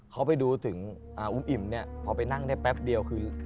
เขาไปดูถึงอุ้มอิ่มพอไปนั่งได้แป๊บเดียว